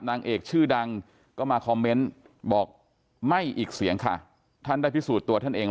นางเอกชื่อดังก็มาคอมเมนต์บอกไม่อีกเสียงค่ะท่านได้พิสูจน์ตัวท่านเอง